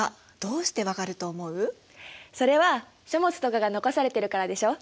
それは書物とかが残されてるからでしょ。